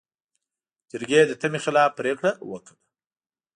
جرګې د تمې خلاف پرېکړه وکړه.